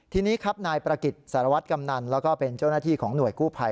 ทีนี้ครับนายประกิจสารวัตรกำนันแล้วก็เป็นเจ้าหน้าที่ของหน่วยกู้ภัย